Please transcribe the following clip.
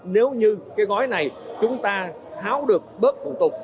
nếu như cái gói này chúng ta tháo được bớt thủ tục